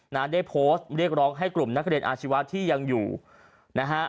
นั้นได้โพสต์เรียกร้องให้กลุ่มนักเรียนอาชีวะที่ยังอยู่นะฮะ